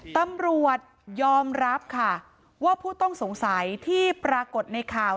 ตำรวจยอมรับค่ะว่าผู้ต้องสงสัยที่ปรากฏในข่าว